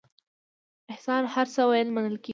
احسان هر څه ویل منل کېږي.